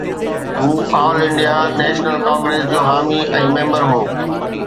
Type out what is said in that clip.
هو All India National Congress جو حامي ۽ ميمبر هو